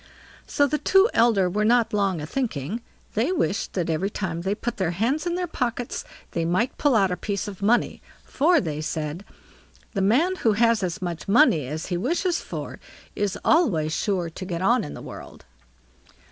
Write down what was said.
So the two elder were not long a thinking; they wished that every time they put their hands in their pockets they might pull out a piece of money; for, said they: "The man who has as much money as he wishes for is always sure to get on in the world."